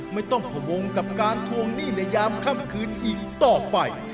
ไม่ต้องพวงกับการทวงหนี้ในยามค่ำคืนอีกต่อไป